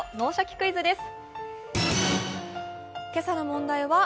クイズ」です。